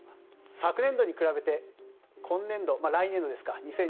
昨年度に比べて今年度、来年度ですか。